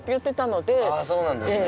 そうなんですね。